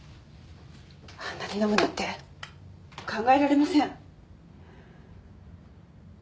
あんなに飲むなんて考えられません。